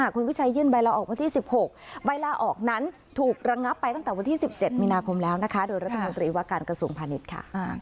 คุณวิชัยยื่นใบลาออกวันที่๑๖ใบลาออกนั้นถูกระงับไปตั้งแต่วันที่๑๗มีนาคมแล้วนะคะโดยรัฐมนตรีว่าการกระทรวงพาณิชย์ค่ะ